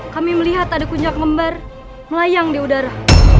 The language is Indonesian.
kami melihat ada kuncak lembar melayang di udara